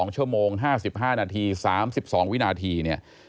๒ชั่วโมง๕๕นาที๓๒วินาทีเนี่ย